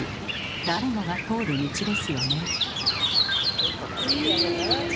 誰もが通る道ですよね。